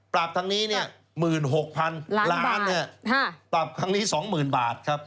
ปรับทางนี้เนี่ย๑๖๐๐๐ล้านปรับทางนี้๒๐๐๐๐บาทครับ